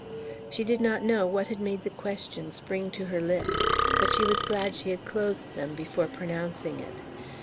She did not know what had made the question spring to her lips, but she was glad she had closed them before pronouncing it.